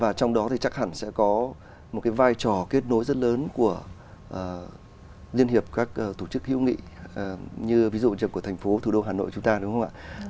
và trong đó thì chắc hẳn sẽ có một cái vai trò kết nối rất lớn của liên hiệp các tổ chức hữu nghị như ví dụ như của thành phố thủ đô hà nội chúng ta đúng không ạ